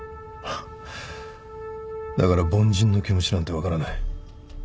だから凡人の気持ちなんて分からない。